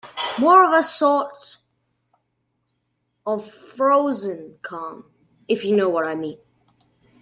More a sort of frozen calm, if you know what I mean.